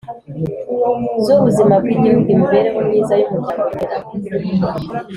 z’ubuzima bw’Igihugu, imibereho myiza y’umuryango n’iterambere.